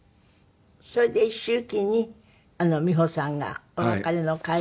それで一周忌に美帆さんがお別れの会を企画。